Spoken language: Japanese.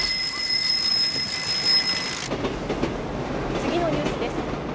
「次のニュースです」